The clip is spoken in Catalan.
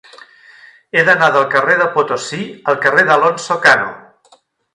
He d'anar del carrer de Potosí al carrer d'Alonso Cano.